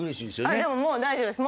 でももう大丈夫です。